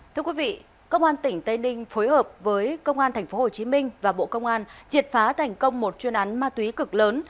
thưa quý vị công an tỉnh tây ninh phối hợp với công an tp hcm và bộ công an triệt phá thành công một chuyên án ma túy cực lớn